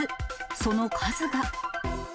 その数が。